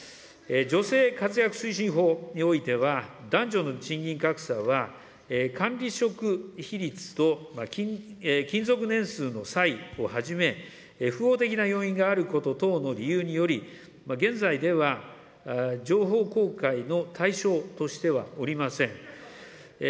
女性活躍推進法においては、男女の賃金格差は、管理職比率と勤続年数の差異をはじめ、要因があること等の理由により、現在では、情報公開の対象としてはおりません。